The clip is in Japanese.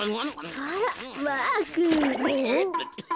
あらマーくん。おっ？